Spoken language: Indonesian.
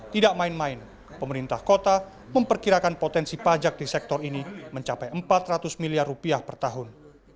tidak main main pemerintah kota memperkirakan potensi pajak di sektor ini mencapai empat ratus miliar rupiah per tahun